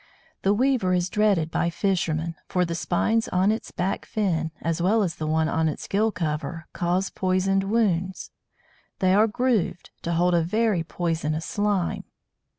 The Weaver is dreaded by fishermen; for the spines on its back fin, as well as the one on its gill cover, cause poisoned wounds. They are grooved, to hold a very poisonous slime.